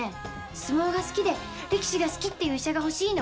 相撲が好きで力士が好きっていう医者が欲しいの。